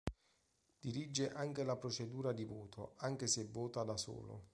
Dirige anche la procedura di voto, anche se vota da solo.